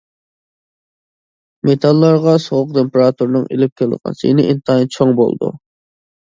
مېتاللارغا سوغۇق تېمپېراتۇرىنىڭ ئېلىپ كېلىدىغان زىيىنى ئىنتايىن چوڭ بولىدۇ.